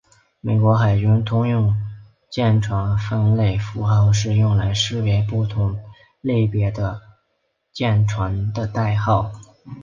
美国海军通用舰船分类符号是用来识别不同类别的舰船的代号。